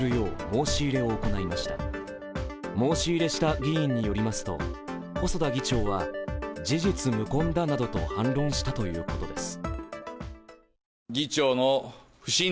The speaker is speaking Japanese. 申し入れした議員によりますと、細田議長は事実無根だなどと反論したということです。